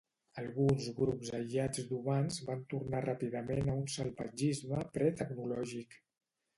Alguns grups aïllats d'humans van tornar ràpidament a un salvatgisme pre-tecnològic.